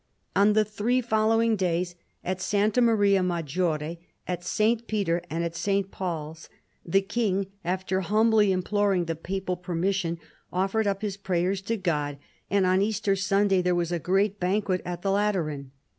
On the three following days, at Sta. Maria Maggiore, at St. Peter's and St. Paul's, the king, after humbly imploring the papal permission, offered up his prayers to God, and on Easter Sunday there was a great banquet at the Lateran.